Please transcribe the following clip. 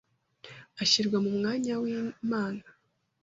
ashyirwa mu mwanya w’Imana